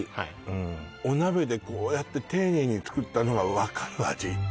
うんお鍋でこうやって丁寧に作ったのが分かる味